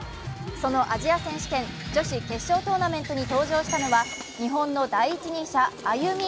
そのアジア選手権女子決勝トーナメントに登場したのは日本の第一人者ＡＹＵＭＩ